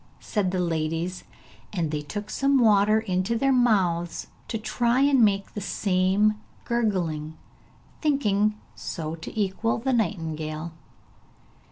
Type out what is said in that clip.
said the ladies, and they took some water into their mouths to try and make the same gurgling, thinking so to equal the nightingale.